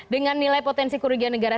dengan nilai potensi kerugian negara